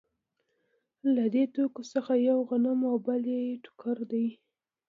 له دې توکو څخه یو غنم او بل یې ټوکر دی